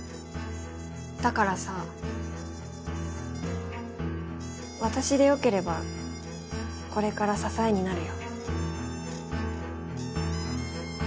だからさ私でよければこれから支えになるよ。